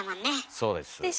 そうです。